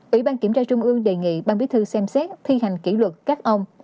ủy ban kiểm tra trung ương đề nghị ban bí thư xem xét thi hành kỷ luật các ông